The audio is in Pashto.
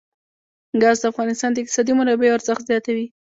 ګاز د افغانستان د اقتصادي منابعو ارزښت زیاتوي.